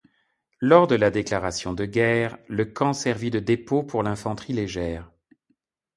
Lors de la déclaration de guerre, le camp servit de dépôt pour l'infanterie légère.